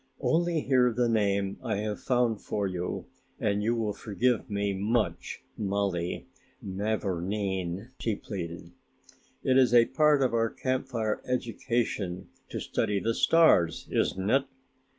"Only hear the name I have found for you and you will forgive me much, Mollie Mavourneen," she pleaded. "It is a part of our Camp Fire education to study the stars, isn't it?